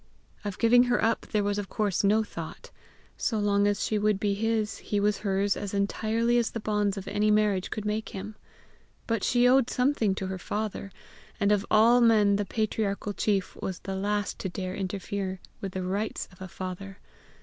Of giving her up, there was of course no thought; so long as she would be his, he was hers as entirely as the bonds of any marriage could make him! But she owed something to her father! and of all men the patriarchal chief was the last to dare interfere with the RIGHTS of a father.